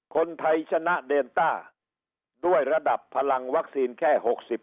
คนไทยชนะเดนต้าด้วยระดับพลังวัคซีนแค่๖๐